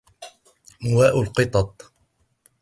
مواء القطط